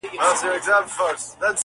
ما ښه مه کړې، ماپه ښو خلگو واده کړې.